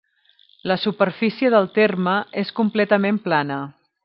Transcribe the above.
La superfície del terme és completament plana.